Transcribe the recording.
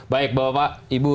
baik bapak ibu